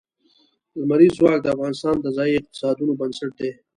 لمریز ځواک د افغانستان د ځایي اقتصادونو بنسټ دی.